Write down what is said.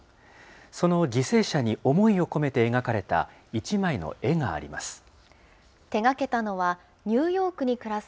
その犠牲者に思いを込めて描かれた１枚の絵があります。